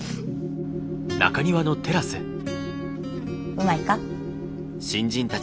うまいか？